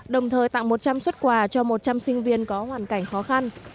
đồng thời tặng một trăm linh xuất quà cho một trăm linh sinh viên có hoàn cảnh khó khăn